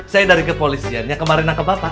saya dari kepolisiannya kemarin nangkep bapak